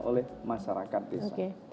oleh masyarakat desa